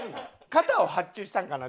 肩を発注したんかな？